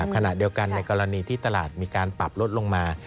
ขณะเดียวกันในกรณีที่ตลาดมีการปรับลดลงมา